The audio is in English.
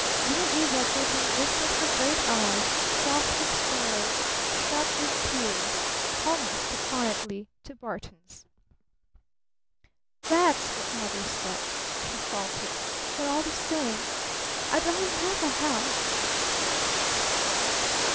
Little Eve Edgarton lifted her great eyes, soft with sorrow, sharp with tears, almost defiantly to Barton's. "That's what Mother said," she faltered. "But all the same I'd RATHER HAVE A HOUSE!"